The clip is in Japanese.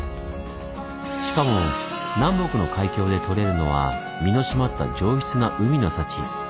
しかも南北の海峡で取れるのは身の締まった上質な海の幸。